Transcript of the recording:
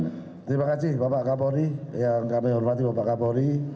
terima kasih bapak kabori yang kami hormati bapak kabori